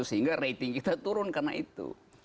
sehingga rating kita turun karena itu